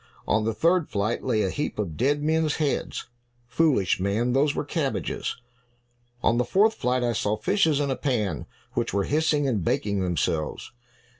"On the third flight lay a heap of dead men's heads." "Foolish man, those were cabbages." "On the fourth flight, I saw fishes in a pan, which were hissing and baking themselves."